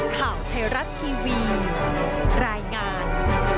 ข่าวไทยรัฐทีวีรายงาน